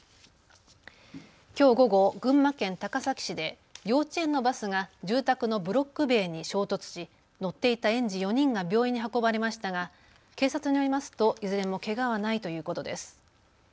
きょう午後、群馬県高崎市で幼稚園のバスが住宅のブロック塀に衝突し乗っていた園児４人が病院に運ばれましたが警察によりますといずれもけがはないということです。